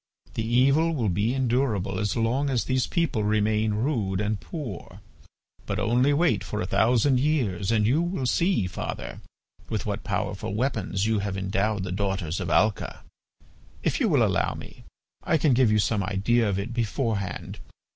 "The evil will be endurable as long as these people remain rude and poor; but only wait for a thousand years and you will see, father, with what powerful weapons you have endowed the daughters of Alca. If you will allow me, I can give you some idea of it beforehand.